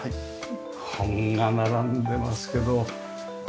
本が並んでますけど。